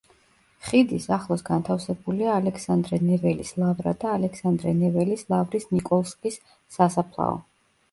ხიდის ახლოს განთავსებულია ალექსანდრე ნეველის ლავრა და ალექსანდრე ნეველის ლავრის ნიკოლსკის სასაფლაო.